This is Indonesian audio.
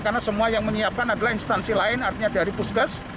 karena semua yang menyiapkan adalah instansi lain artinya dari puskes